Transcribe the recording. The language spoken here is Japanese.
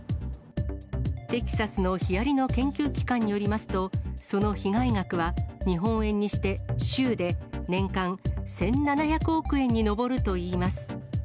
テキサスのヒアリの研究機関によりますと、その被害額は日本円にして州で年間１７００億円に上るといいます。